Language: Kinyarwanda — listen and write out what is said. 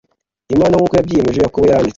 Imana nk uko wabyiyemeje Yakobo yaranditse